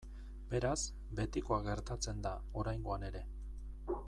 Beraz, betikoa gertatzen da oraingoan ere.